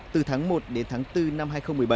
từ tháng một đến tháng bốn năm hai nghìn một mươi bảy